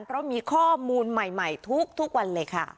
เพราะมีข้อมูลใหม่ทุกวันเลยค่ะ